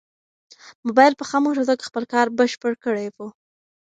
موبایل په خاموشه توګه خپل کار بشپړ کړی و.